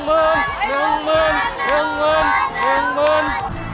โปรดติดตามตอนต่อไป